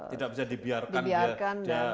tidak bisa dibiarkan